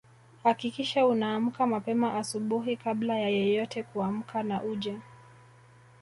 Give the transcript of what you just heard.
Hakikisha unaamka mapema asubuhi kabla ya yeyote kuamka na uje